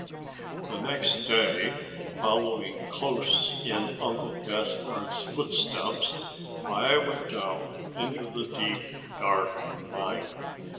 The next day, following close in Uncle Gaspard's footsteps, I went down into the deep, dark mine.